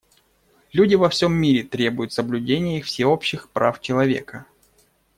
Люди во всем мире требуют соблюдения их всеобщих прав человека.